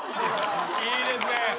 いいですね。